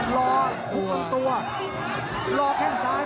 รอบังตัวรอแฮงด์สาย